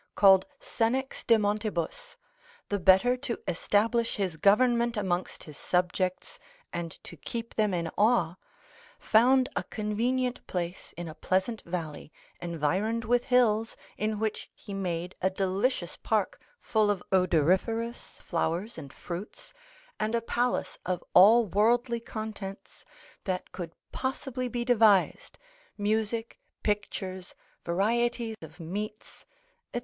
called Senex de Montibus, the better to establish his government amongst his subjects, and to keep them in awe, found a convenient place in a pleasant valley, environed with hills, in which he made a delicious park full of odoriferous flowers and fruits, and a palace of all worldly contents, that could possibly be devised, music, pictures, variety of meats, &c.